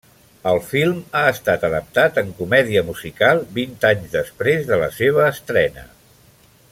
El film ha estat adaptat en comèdia musical, vint anys després de la seva estrena.